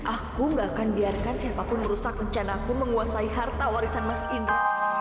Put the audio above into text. aku gak akan biarkan siapapun merusak rencana aku menguasai harta warisan mas indra